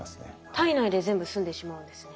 体内で全部すんでしまうんですね。